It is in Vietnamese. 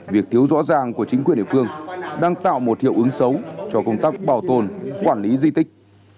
việc thiếu rõ ràng của chính quyền địa phương đang tạo một hiệu ứng xấu cho công tác bảo tồn quản lý di tích